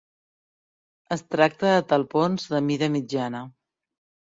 Es tracta de talpons de mida mitjana.